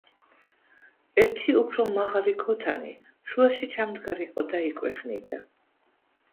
ერთი უფრო მაღლი ქოთანი შუაში ჩამდგარიყო და იკვეხნიდა